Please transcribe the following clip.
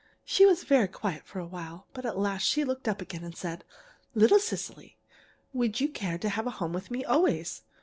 She was very quiet for a while, but at last she looked up again and said: 'Little Cecily, would you care to have a home with me always?